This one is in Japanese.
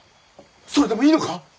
それでもいいのか？